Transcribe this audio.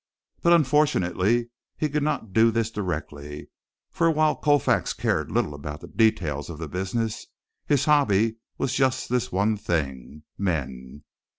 But unfortunately he could not do this directly, for while Colfax cared little about the details of the business his hobby was just this one thing men.